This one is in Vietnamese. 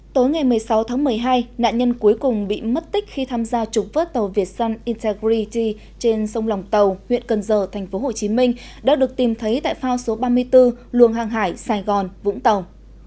tối ngày một mươi sáu tháng một mươi hai nạn nhân cuối cùng bị mất tích khi tham gia trục vớt tàu việt sun integrity trên sông lòng tàu huyện cần giờ tp hcm đã được tìm thấy tại phao số ba mươi bốn luồng hàng hải sài gòn vũng tàu